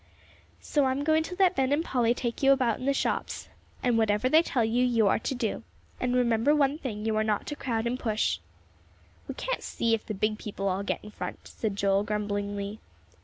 "So I am going to let Ben and Polly take you about in the shops. And whatever they tell you, you are to do. And remember one thing, you are not to crowd and push." "We can't see if the big people all get in front," said Joel, grumblingly.